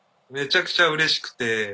めちゃくちゃ嬉しくて。